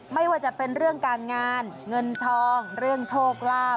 ไม่ว่าจะเป็นเรื่องการงานเงินทองเรื่องโชคลาภ